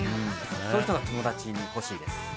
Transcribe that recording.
そういう人が友達に欲しいです。